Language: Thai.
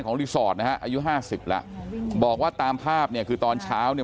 ของรีสอร์ทนะอายุ๕๐แล้วบอกว่าตามภาพเนี่ยคือตอนเช้าเนี่ย